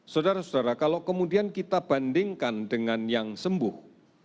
saudara saudara kalau kemudian kita bandingkan dengan yang sembuh